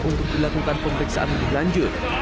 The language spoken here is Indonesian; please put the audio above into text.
untuk dilakukan pemeriksaan lebih lanjut